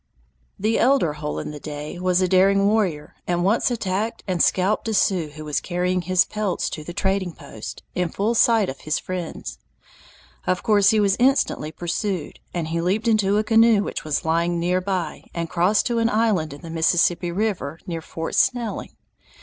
The elder Hole in the Day was a daring warrior and once attacked and scalped a Sioux who was carrying his pelts to the trading post, in full sight of his friends. Of course he was instantly pursued, and he leaped into a canoe which was lying near by and crossed to an island in the Mississippi River near Fort Snelling.